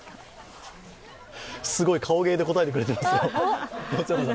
すごい顔芸で答えてくれていますね。